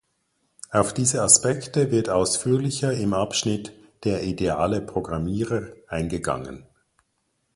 Auf diese Aspekte wird ausführlicher im Abschnitt "Der ideale Programmierer" eingegangen.